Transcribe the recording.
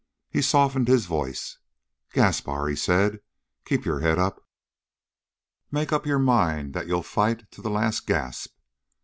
He softened his voice. "Gaspar," he said, "keep your head up. Make up your mind that you'll fight to the last gasp.